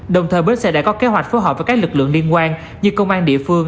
đồng thời bến xe đã có kế hoạch phối hợp với các lực lượng liên quan như công an địa phương